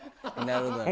なるほど。